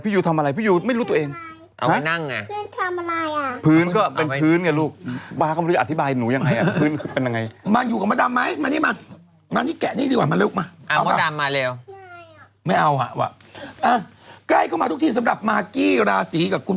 พี่ยูทำอะไรพี่ยูไม่รู้ตัวเองพื้นทำอะไร